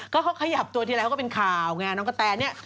ก็เขาขยับตัวที่แรกก็เป็นข่าวนี่กะแทนเนี่ย